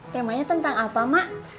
temanya tentang apa mak